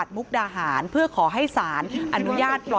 จนสนิทกับเขาหมดแล้วเนี่ยเหมือนเป็นส่วนหนึ่งของครอบครัวเขาไปแล้วอ่ะ